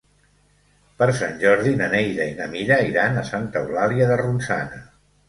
Per Sant Jordi na Neida i na Mira iran a Santa Eulàlia de Ronçana.